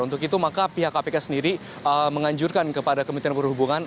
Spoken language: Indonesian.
untuk itu maka pihak kpk sendiri menganjurkan kepada kementerian perhubungan